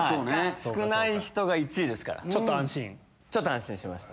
少ない人が１位ですからちょっと安心しました。